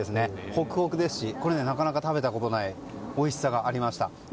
ホクホクですしなかなか食べたことがないおいしさがありました。